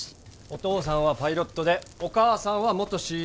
お父さんはパイロットでお母さんは元ＣＡ。